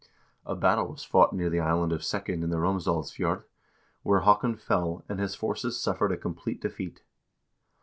A battle was fought near the island of Sekken in the Romsdalsfjord, where Haakon fell, and his forces suffered a complete defeat.